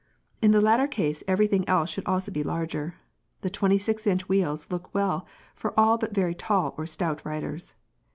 In the latter case everything else should be also larger. The 26 inch wheels look well for all but very tall or stout riders.